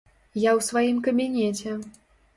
Я ў сваім кабінеце!